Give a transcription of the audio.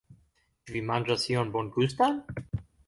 Ĉu vi manĝas ion bongustan?